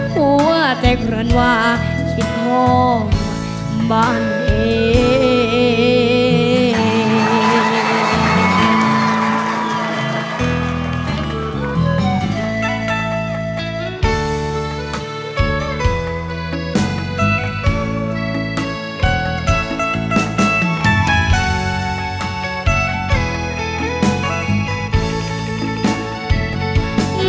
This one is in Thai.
หัวแตกรวรรณวาชิดห่วงบ้านเห็น